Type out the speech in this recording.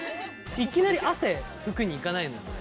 いきなり汗ふくに行かないのよ俺。